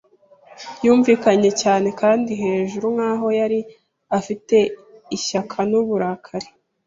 yumvikanye cyane kandi hejuru, nkaho yari afite ishyaka n'uburakari.